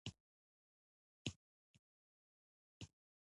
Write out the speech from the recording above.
تایمني د سلطان غیاث الدین غوري معاصر او ملګری شاعر و